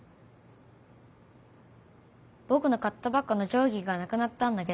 ぼくの買ったばっかのじょうぎがなくなったんだけど。